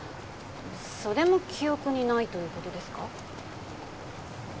それも記憶にないということですか？